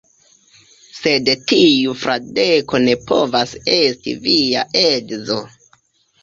Sed tiu Fradeko ne povas esti via edzo.